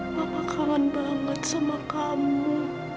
mama kawan banget sama kamu